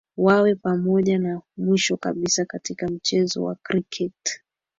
wawe pamoja na mwisho kabisa katika mchezo wa kriketi